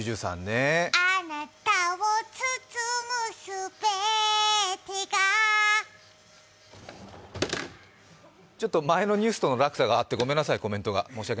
あなたを包むすべてがちょっと前のニュースとの落差があって、ごめんなさい、コメントが。